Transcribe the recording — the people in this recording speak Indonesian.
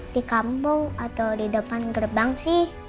di kampung atau di depan gerbang sih